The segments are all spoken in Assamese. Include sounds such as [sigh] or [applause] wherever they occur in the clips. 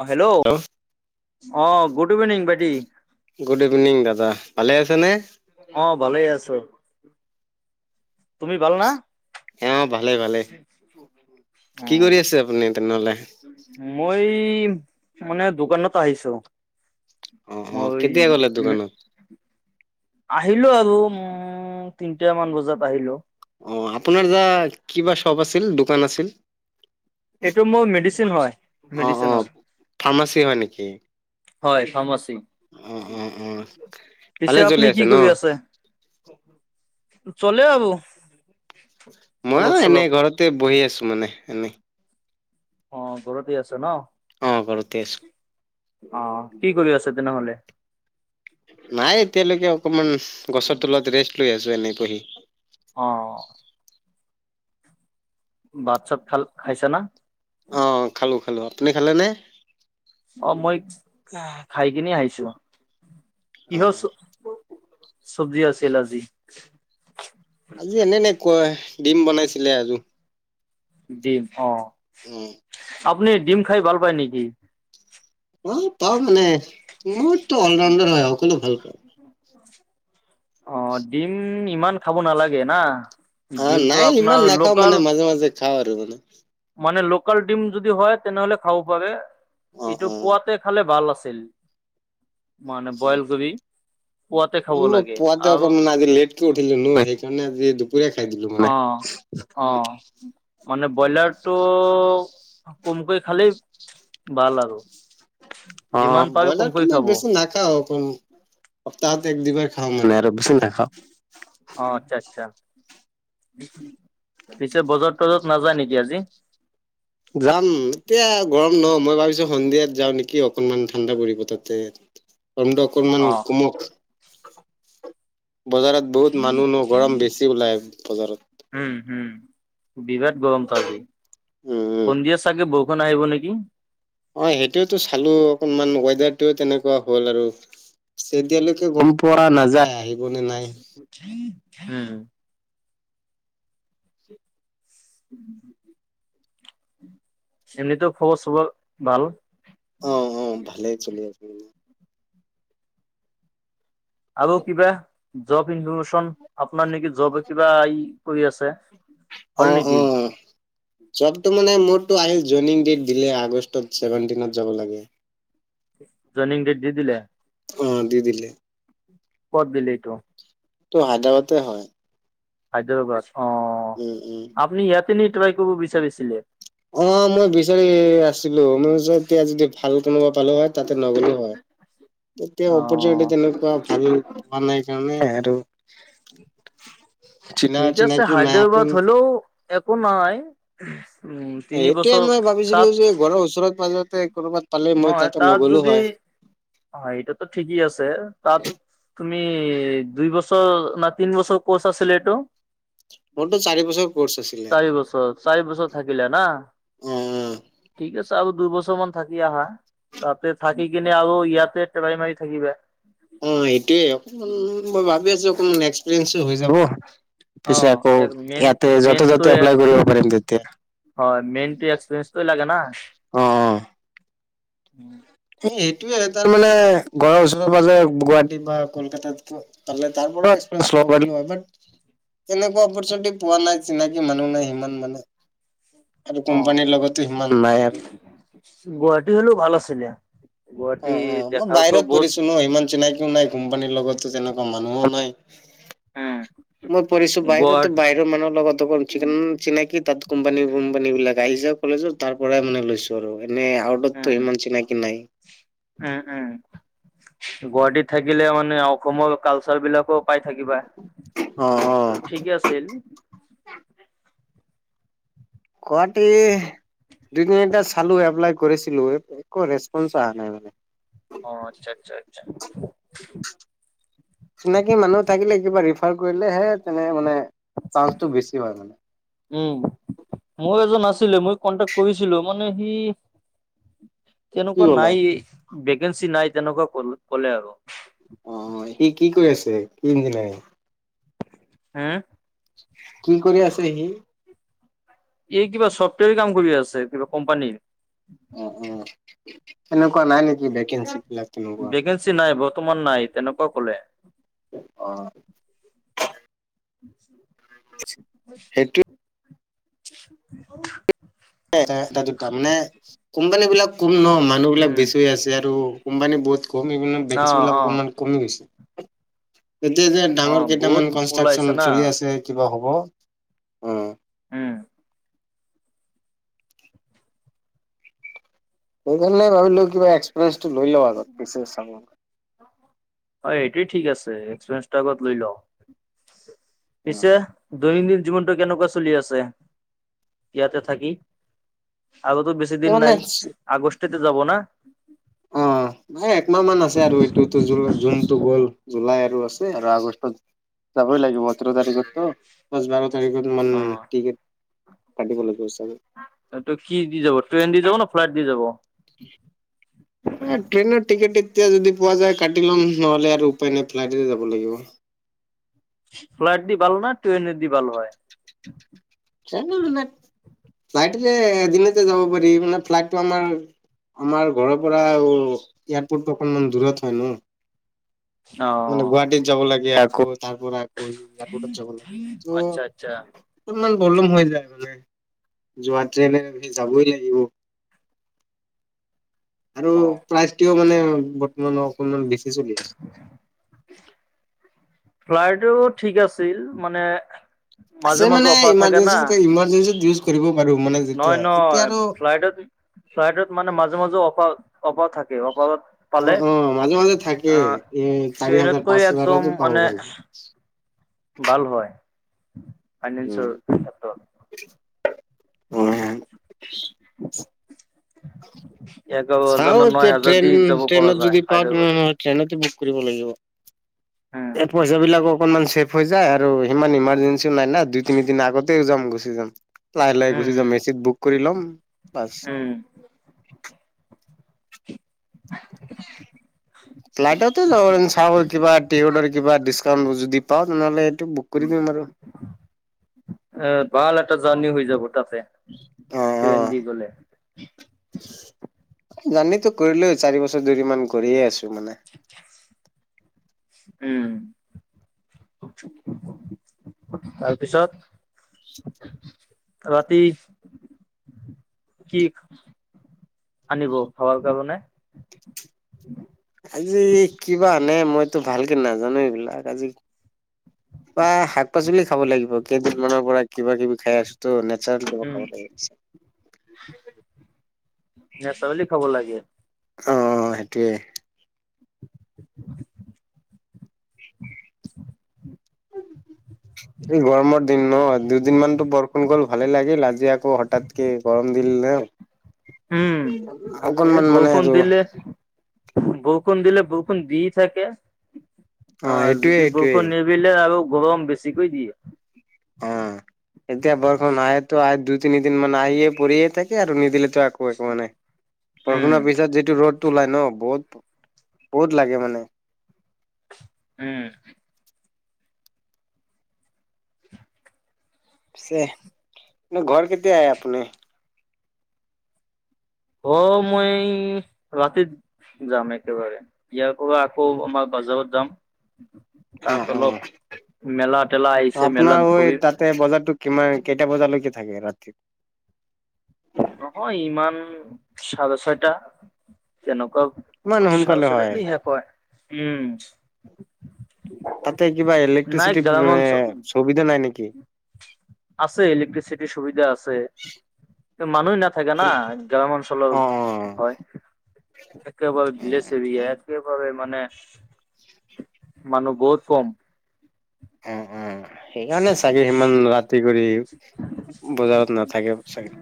অ', হেল্ল' অ', গুড ইভিনিং ভাইটি। গুড ইভিনিং দাদা ভালে আছেনে? অ', ভালেই আছোঁ। তুমি ভাল না? অ', ভালেই - ভালেই অ কি কৰি আছে আপুনি তেনেহ'লে? মই মানে দোকানত আহিছোঁ। অ', অ', কেতিয়া গলে দোকানত? আহিলো আৰু উম, তিনটামান বজাত আহিলো। অ', আপোনাৰ যা কিবা শ্বপ আছিল দোকান আছিল। এইটো মোৰ মেডিচিন হয় অ অ মেডিচিনৰ ফাৰ্মাচী হয় নেকি? হয়, ফাৰ্মাচী। অ অ অ ভালে পিছে চলি আপুনি কি ন? কৰি আছে? চলে আৰু ময়ো অলপ এনে চলপ ঘৰতে বহি আছোঁ মানে এনেই। অ', ঘৰতে আছে ন'? অ', ঘৰতে আছোঁ। অ', কি কৰি আছে তেনেহলে? নাই এতিয়ালৈকে অকমান গছৰ তলত ৰেষ্ট লৈ আছোঁ এনেই বহি। অ', ভাত চাত খাল খাইছা না? অ', খালোঁ খালোঁ আপুনি খালেনে? অ মই খাই কিনে আহিছোঁ। অ কিহ চ চব্জি আছিল আজি? আজি এনে এনে কয় ডিম বনাইছিলে [unintelligible] ডিম অ। উম আপুনি ডিম খাই ভাল পায় নেকি? পাও, পাও মানে। মোৰতো অল ৰাউণ্ডাৰ হয়। সকলো ভাল পাওঁ। অ ডিম ইমান খাব নালাগে না। অ ডিমটো নাই ইমান আপোনাৰ নাখাওঁ লোকেল মানে মাজে মাজে খাওঁ আৰু মানে। মানে লোকেল ডিম যদি হয় তেনেহ'লে খাব পাৰে। অ', এইটো অ'। পোৱাতে খালে ভাল আছিল। মানে বইল [unintelligible] কৰি পুৱাতে খাব লাগে পোৱাত যে আৰু অকমান লেট। কে উঠিলো নু আহিকেনে যি দুপৰীয়া খাই দিলো মানে। অঁ অঁ। মানে ব্ৰইলাৰটো কমকৈ খালেই বাল আৰু। অ। যিমান পাৰে কমকৈ ব্ৰইলাৰটো মই খাব অ বেছি নাখাওঁ। [unintelligible] সপ্তাহত এক, দুইবাৰ খাওঁ মানে আৰু বেছি নাখাওঁ। অ আচ্ছা আচ্ছা, পিছে বজাৰত-তজাৰত নাযায় নেকি আজি? যাম। এতিয়া গৰম ন। মই ভাবিছো সন্ধিয়াত যাওঁ নেকি অকনমান ঠাণ্ডা পৰিব তাতে। [inaudible] গৰমটো অকণমান অ কমক। বজাৰত বহুত মানুহ ন গৰম বেছি ওলাই বজাৰত। উম হুম। বিৰাট গৰম ত' আজি। উম, উম, সন্ধিয়া চাগে বৰ ষুণ আহিব নেকি? অ সেইটোৱেটো চালো অকনমান ৱেডাৰটোও তেনেকুৱা হ'ল আৰু। সেদিয়ালৈকে গম পোৱা নাযায়। আহিব নে নাই? হে। চিনি ত' খবৰ-চবৰ বাল? অ অ। ভালে চলি আছোঁ। আৰু কিবা? জব ইনফৰমেচন আপোনাৰ নেকি জব কিবা ই কৰি আছে, অ হল অ নেকি? জবটো মানে মোৰটো আই জয়নিং ডেট দিলে আগষ্টত চেভেণ্টিনত যাব লাগে। জইনিং ডেট দি দিলে? অ, দি দিলে। ক'ত দিলে এইটো? ত হায়দৰাবাদে হয়। হাইদ্ৰবাদ অ। উম, উম। আপুনি ইয়াতে নি ট্ৰাই কৰিব বিচাৰিছিলে? অ, মই বিচাৰি আছিলো। মই [unintelligible] এতিয়া যদি ভাল কোনোবা পালো হয়, তাতে নগলো হয়। তেতিয়া অ অপৰচুনেটি তেনেকুৱা ভাল নাই, কাৰণে এহেটো ঠিক আছে। হায়দৰাবাদ হলও একো নাই। উম তিনি এইটোৱে বছৰ মই তাত ভাবিছিলো, যে ঘৰৰ ওচৰত পাজাতে কৰ'বাত পালে মই তাতে নগ'লো হয়। অ, এইটোতো ঠিকেই আছে। তাত তুমি দুই বছৰ না তিন বছৰ ক'ৰ্চ আছিলে এইটো? মোৰতো চাৰি বছৰ কৰ্চ আছিলে চাৰি বছৰ চাৰি বছৰ থাকিলে না। অ অ ঠিক আছে, আৰু দুইবছৰমান থাকি আহা তাতে থাকি কিনে আৰু ইয়াতে টবাই মাৰি থাকিবা। অ এইটোৱে অকমান মই ভাবি আছো অকমান এক্সপিৰিয়েঞ্চো হৈ যাব। অ পিছে আকৌ মেইন ইয়াতে যতে মেইনটো ত'তে এপ্লাই কৰিব পাৰিম তেতিয়া হয় মেইনটো এক্সপিৰিয়েন্সটোৱে লাগে না [inaudible] এই এইটোৱে তাৰ মানে ঘৰৰ ওচৰে পাজৰে গুৱাহাটীত বা কলকাতাত ত' তাৰপৰাও এক্সপিৰিয়েন্স ল'ব পাৰিলো হয় বাট তেনেকুৱা অপৰচুনিটি পোৱা নাই চিনাকি মানুহ নাই সিমান মানে আৰু অ কোম্পানীৰ লগতো সিমান নাই আৰু গুৱাহাটী হ'লেও ভাল আছিলে। অ গুৱাহাটী অ মই দেখাতো বাহিৰত বহুত পঢ়িছো ন ইমান চিনাকিও নাই কোম্পানীৰ লগতটো তেনেকুৱা মানুহো নাই উম মই পঢ়িছো গুৱাহাট বাহিৰত বা মানুহৰ লগত অকল উম চিন চিনাকি তাত কোম্পানী বোম্পানী বিলাক আহি যাই কলেজত তাৰ পৰাই মানে লৈছোঁ আৰু এনেই আউটত ত' ইমান চিনাকি নাই উম উম গুৱাহাটীত থাকিলে মানে অসমৰ কালচাৰ বিলাকো পাই থাকিবা অ অ ত' ঠিকে আছিল গুৱাহাটী দুই তিনিটা চালো এপ্লাই কৰিছিলো একো ৰেছপন্স অহা নাই মানে অ আচ্ছা আচ্ছা আচ্ছা। চিনাকি মানুহ থাকিলে কিবা ৰিফাৰ কৰিলে হে তেনেকে মানে চান্সটো বেছি হয় মানে উম মোৰো এজন আছিলে মই কন্টেক কৰিছিলো মানে সি কি তেনেকুৱা ক'লে নাই ভেকেঞ্চি নাই তেনেকুৱা ক'ল ক'লে আৰু অ সি কি কৰি আছে কি ইঞ্জিনিয়াৰিং? হা? কি কৰি আছে সি? সি কিবা ছফ্টৱেৰ কাম কৰি আছে কিবা কোম্পানীৰ। অ অ' সেনেকুৱা নাই নিকি ভেকেঞ্চি বিলাক? তেনেকুৱা ভেকেঞ্চি নাই বৰ্তমান নাই তেনেকুৱা ক'লে [inaudible] অ সেইটো [inaudible] এটা দুটা মানে কোম্পানী বিলাক কম ন মানুহ বিলাক উম বেছি হৈ আছে আৰু কোম্পানী বহুত কম সেইকাৰণে অ ভেকেঞ্চি বিলাক অ অকণমান কমি গৈছে এতিয়া যে অ ডাঙৰ কেইটামান বহুত কনষ্ট্ৰাকচন ওলাইছে না চলি আছে কিবা হ'ব অ উম। সেইকাৰণে ভাবিলো কিবা এক্সপিৰিয়েন্সটো লৈ লওঁ আগত পিছে চাব হয় এইটোৱে ঠিক আছে এক্সপিৰিয়েন্সটো আগত লৈ ল' পিছে দৈনন্দিন জীৱনটো কেনেকুৱা চলি আছে? ইয়াতে থাকি আৰুতো বেছি দিন মানে নাই আগষ্টতে যাব না? অ [inaudible] নাই একমাহ মান আছে আৰু এইটোতো জু জুনতটো গ'ল জুলাই আৰু আছে আৰু আগষ্টত যাবই লাগিব ওঠৰ তাৰিখততো পাঁচ, বাৰ তাৰিখত মান অ টিকট কাটিবলৈ কৈছে এই ত' কি দি যাব ট্ৰেইন দি যাবনে, ফ্লাইট দি যাব। এ, ট্ৰেইনৰ টিকেট এতিয়া যদি পোৱা যায় কাটি লম নহ'লে আৰু উপায় নাই ফ্লাইটেৰে যাব লাগিব। ফ্লাইট দি ভাল না ট্ৰেইনে দি ভাল হয়। জানা মানে, ফ্লাইটেৰে এদিনতে যাব পাৰি মানে ফ্লাইটটো আমাৰ আমাৰ ঘৰৰ পৰাও, এয়াৰপৰ্টটো অকণমান দূৰত হয় ন'। অ'। মানে গুৱাহাটীত যাব লাগে আকৌ তাৰ পৰা আকৌ এয়াৰপৰ্টত যাব লাগে ত' আচ্ছা আচ্ছা অকণমান প্ৰব্লেম হৈ যায় মানে, যোৱা ট্ৰেইনেৰে যদি যাবই লাগিব। আৰু অ প্ৰাইজটোও মানে বৰ্তমান অকনমান বেছি চলি আছে। ফ্লাইটো ঠিক আছিল মানে মাজে আছে মাজে মানে অফাৰ থাকে না ইমাৰ্জেঞ্চি ইমাৰ্জেঞ্চিত ইউজ কৰিব পাৰোঁ মানে যেতিয়া এতিয়া আৰু [unintelligible] ফ্লাইডত মানে মাজে মাজে অফা, অফাৰ থাকে অফাত অ পালে, অ মাজে মাজে থাকে অ' এ চাৰি হাজাৰ পাঁচ ট্ৰেইনতকৈ হাজাৰতো একদম পাব মানে পাৰি ভাল হয়, উম ফাইনেন্সৰ অ [unintelligible] এঘাৰ হাজাৰ ন চাওঁ নয় এতিয়া হাজাৰ দি ট্ৰেইন যাব পৰা ট্ৰেইনত যায় যদি পাওঁ হায়দৰাবাদত ট্ৰেইনত ট্ৰেইনতে বুক কৰিব লাগিব, উম এই পইচা বিলাক অকন মান চেব হৈ যায় আৰু সিমান ইমাৰ্জেঞ্চিও নাই না দুই তিনি দিন আগতেও যাম গুচি যাম। লাহে লাহে গুচি যাম উম এচিত বুক কৰি ল'ম বাচ। উম ফ্লাইটেৰে যাব পাৰিম চাউল কিবা টিকটৰ কিবা ডিচকাউণ্ট যদি পাওঁ তেনেহ'লে এইটো বুক উম কৰি দিম আৰু। এ, ভাল এটা জাৰ্ণি হৈ যাব তাতে। অ অ ট্ৰেইন দি গ'লে। জাৰ্ণিতো কৰিলেও চাৰি বছৰ ধৰি মান কৰিয়ে আছোঁ মানে। উম। তাৰপিছত, ৰাতি কি, আনিব খাবৰ কাৰনে? আজি কিবা আনে মইতো ভালকে নাজানো এইবিলাক আজি বা শাক পাচলি খাব লাগিব কেইদিনমানৰ পৰা কিবা কিবি খাই আছোঁতো নেচাৰেল কিবা খাব লাগিব আজি। নেচাৰিলি খাব লাগে। অ' সেইটোয়ে। [inaudible] এই গৰমৰ দিনত দুদিনমানো বৰষুণ গ'ল ভালে লাগিল আজি আকৌ হঠাৎ কে গৰম দি দিলে, উম, এই অকনমান মানে বৰষুণ আৰু দিলে বৰষুণ দিলে বৰষুণ দি থাকে, অ' এইটোয়ে যদি এইটোয়ে বৰষুণ নি [unintelligible] আৰু গৰম বেছিকৈ দিয়ে। অ' এতিয়া বৰষুণ আহেতো আহে দুই তিনিদিন মান আহিয়ে পৰিয়ে থাকে আৰু নিদিলেতো [unintelligible] উম, বৰষুণৰ পিছত যিটো ৰ'দটো ওলাই ন' বহুত, বহুত লাগে মানে। উম। পিছে, ঘৰ কেতিয়া আহে আপুনি? অ' মই ৰাতি যাম একেবাৰে, ইয়াৰ পৰা আকৌ আমাৰ বাজাৰত যাম। অ তাত অ অলপ, মেলা তেলা আহিছে মেলাত ঘুৰিম। তে বজাৰতো কিমান, কেইটা বজালৈকে থাকে ৰাতি? নহয় ইমান চাৰে ছয়টা, তেনেকুৱা ইমান সোনকালে চাৰেচটা হয় শেষ হয়, উম তাতে কিবা নাই ইলেক্ট্ৰিচিটি গ্ৰামাঞ্চল সুবিধা নাই নেকি? আছে ইলেক্ট্ৰিচিটিৰ সুবিধা আছে। মানুহ নাথাকে না গ্ৰাও অঞ্চলৰ অ', অ', হয়। একেবাৰে অ', বিলেজছে এৰীয়া একেবাৰে মানে মানুহ বহুত কম। অ, অ, সেইকাৰণে চাগে সিমান ৰাতি কৰি বজাৰত নাথাকে চাগে।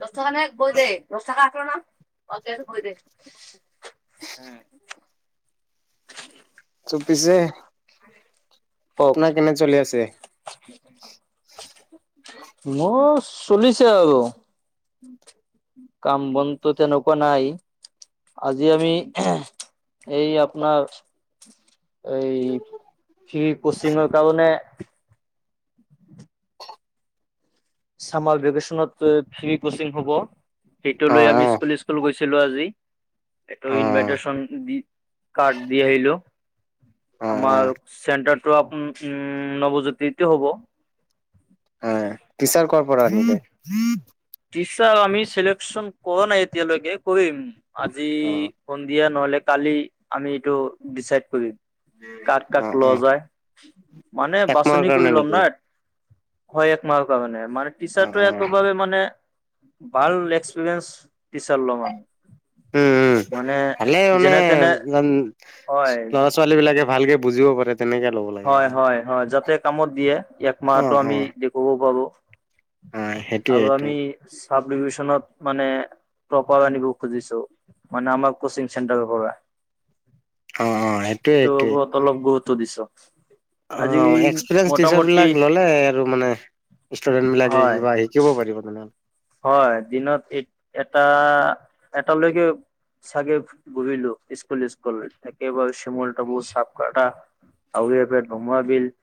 দশকা ন গৈ দে দশকা আঠ ন অ গৈ দে উম। চ পিছে কওক আপোনাৰ কেনে চলি আছে? মোৰ চলিছে আৰু কাম বন টো তেনেকুৱা নাই আজি আমি এই আপোনাৰ এই, ফি কচিঙৰ কাৰণে চামাৰ ভেকনত ফ্ৰী কচিং হ'ব, সেইটো ল অ', আমি অ', স্কুল। গৈছিলো আজি এইটো অ', ইনভাইট্যন দি কাৰ্ড দি আহিলো অ', অ', আমাৰ চেণ্টাৰটো আপ উম' নৱজ্যোতিটো হ'ব। অ', টিচাৰ ক পৰা আহিব? টিচাৰ আ চিলেকশ্যন কৰা নাই এতিয়ালৈকে কৰিম। আজি অ', সন্ধিয়া নহলে? কালি আমি এইটো ডিচাইড কৰিম কাক- অ', কাক ল অ', যায়। মানে একমাহৰ বাচনি কাৰণে কৰিলম নেকি? ন। হয়, এক মাহ কাৰ মণে মান টি অ', চাৰ্টটো অ', একোভাবে মানে, ভাল এক্সপৰিয়েস টিচাৰ্‌ লম মান। উম, উম, ভালে মানে তেনে হয়। ল'ৰা-ছোৱালী বিলাকে ভালকে বুজিব পাৰে তেনেকে ল'ব লাগে হয়, মানে। হয়, হয় যাতে কামত দিয়ে এক মাহটো অ', আমি অ', দেখুৱাব পাবো। অ', সেইটোয়ে আৰু সেইটোয়ে আমি চাব ডিভিচনত মানে প্ৰপাৰ আনিব খুজিছো। মানে আমাৰ কচিং চেণ্টাৰ পৰা। অ, অ এইটো সেইটোয়ে-সেইটোৱে। ওপৰত অলপ গুৰুত্ব দিছ। অ, এক্সপিৰিয়েঞ্চ টিচাৰ মোটামুটি বিলাক ল'লে, আৰু মানে ষ্টুডেণ্ট বিলাকে হয় কিবা আহে। শিকিব পাৰিব তেনেহলে। হয়, দিনত এ এটা, এটালৈকে চাগে ঘৰিলো স্কুল-ই্কুল থব শ মলাবু চাপ কটা। আউৰিয়পে ভমাবিল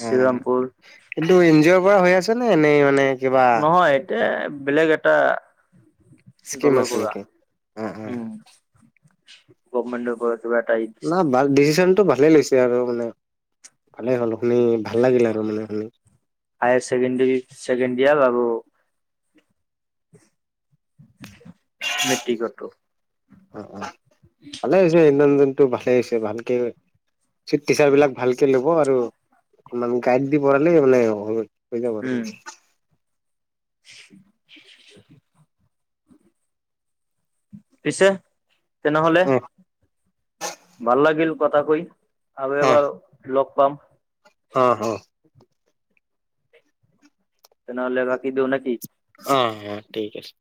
শিৱৰামপুৰ এইটো এন জি অ'ৰ পৰা হৈ আছে নে এনেই মানে? কিবা নহয় এতিয়া বেলেগ এটা স্কিম দলৰ আছে পৰা নেকি? অ', অ'। উম, গমেণ্টৰ পৰা কিবা এটা দিছে নাই ভাল ডিচিশনতটো ভালে লৈছে আৰু মানে ভালেই হ'ল শুনি ভাল [inaudible] লাগিল আৰু মানে শুনি। হায়াৰ চছেকেণ্ডৰী ছেকেণ্ড ইিয়াৰ আৰু মি্ট্টিক কটো। অ, অ ভালে আহছ ইঞ্জনতটো ভালে আহি হৈছে ভালকে। টিচাৰ বিলাক ভালকে ল'ব, আৰু অকমান গাইড দি পলে মানে উম, [inaudible] [inaudible] পিছে, তেনেহলে, অ'। ভাল লাগিল কথা কৈ আৰু অ', এবাৰ লগ পাম। অ, হ। তেনেহলে ৰাখি দিও নে কি? অ', অ', থিক আছে।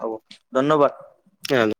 হ'ব, ধন্যবাদ। [inaudible]